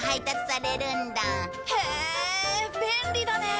へえ便利だね。